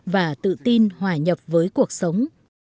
và tự tin hòa nhập với cuộc sống